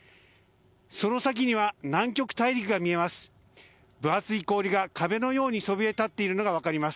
その先には南極大陸が見えます。